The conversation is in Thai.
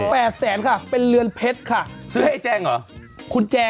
๘๐๐๐๐๐ฟัทรค่ะเป็นเรือนเพชรค่ะ